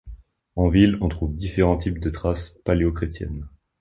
En ville on trouve différents types de trace paléochrétienne.